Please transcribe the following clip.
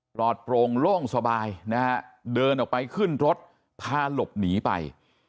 ปลอดโปร่งโล่งสบายนะฮะเดินออกไปขึ้นรถพาหลบหนีไป